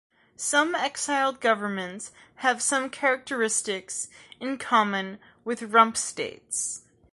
Some exiled governments have some characteristics in common with rump states.